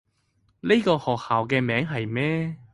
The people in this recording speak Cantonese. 呢個學校嘅名係咩？